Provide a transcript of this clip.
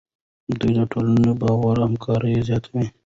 دوی د ټولنې باور او همکاري زیاتوي.